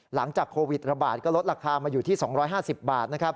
หลังจากโควิดระบาดก็ลดราคามาอยู่ที่๒๕๐บาทนะครับ